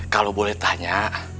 kalau boleh tanya